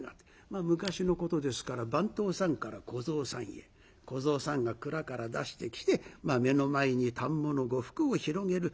まあ昔のことですから番頭さんから小僧さんへ小僧さんが蔵から出してきて目の前に反物呉服を広げる。